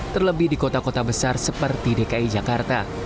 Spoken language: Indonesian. terlebih di kota kota besar seperti dki jakarta